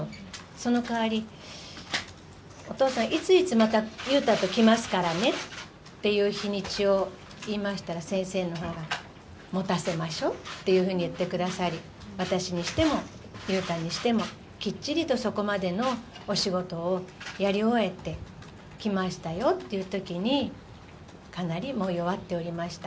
その代わり、お父さん、いついつまた裕太と来ますからねっていう日にちを言いましたら、先生のほうが、もたせましょうっていうふうに言ってくださり、私にしても、裕太にしても、きっちりとそこまでのお仕事をやり終えて来ましたよっていうときに、かなりもう弱っておりました。